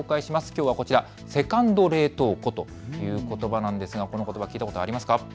きょうはこちらセカンド冷凍庫ということばなんですがこのことば聞いたことありますか。